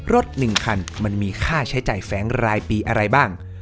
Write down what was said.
๑คันมันมีค่าใช้จ่ายแฟ้งรายปีอะไรบ้าง